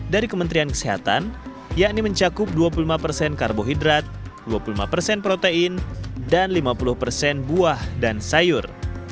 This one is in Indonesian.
dari kementerian kesehatan yakni mencakup dua puluh lima persen karbohidrat dua puluh lima persen protein dan lima puluh persen buah dan sayur